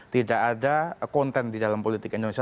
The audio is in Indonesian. tidak ada konten di dalam politik indonesia